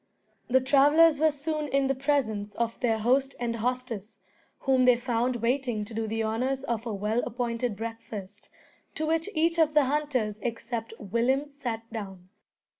The travellers were soon in the presence of their host and hostess, whom they found waiting to do the honours of a well appointed breakfast, to which each of the hunters except Willem sat down.